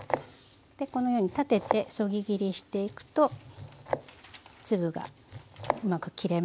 このように立ててそぎ切りしていくと粒がうまく切れますね。